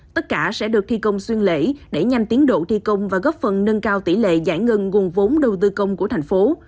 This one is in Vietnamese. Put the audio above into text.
tất cả sẽ được thi công xuyên lễ để nhanh tiến độ thi công và góp phần nâng cao tỷ lệ giải ngân nguồn vốn đầu tư công của thành phố